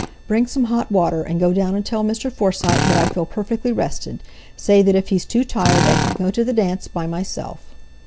"Bring some hot water, and go down and tell Mr. Forsyte that I feel perfectly rested. Say that if he's too tired I can go to the dance by myself."